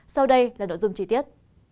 sau đây là nội dung chi tiết